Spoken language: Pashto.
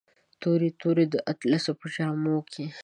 تورې، تورې د اطلسو په جامو کې